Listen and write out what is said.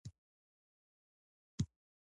هغوی به بې رحمه انځورېدل.